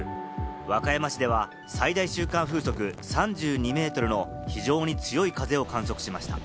和歌山市では最大瞬間風速３２メートルの非常に強い風を観測しました。